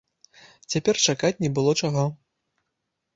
Цяпер чакаць не было чаго.